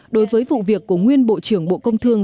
đối với vụ việc của nguyên bộ trưởng bộ công thương